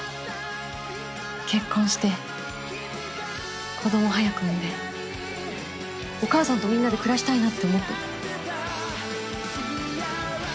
結婚して子ども早く産んでお母さんとみんなで暮らしたいなって思ってる。